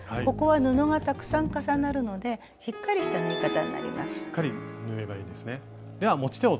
ここは布がたくさん重なるのでしっかりした縫い方になります。